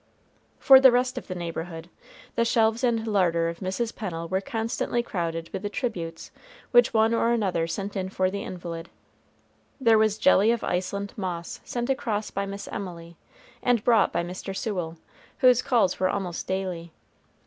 For the rest of the neighborhood, the shelves and larder of Mrs. Pennel were constantly crowded with the tributes which one or another sent in for the invalid. There was jelly of Iceland moss sent across by Miss Emily, and brought by Mr. Sewell, whose calls were almost daily.